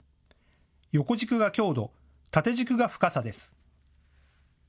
横軸が強度、縦軸が深さです。